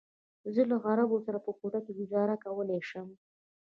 زه له عربو سره په کوټه کې ګوزاره کولی شم.